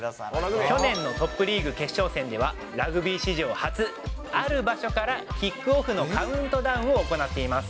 去年のトップリーグ決勝戦では、ラグビー史上初、ある場所からキックオフのカウントダウンを行っています。